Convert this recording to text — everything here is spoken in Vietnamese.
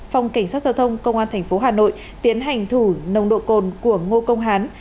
phòng cảnh sát giao thông công an tp hà nội tiến hành thủ nồng độ cồn của ngô công hán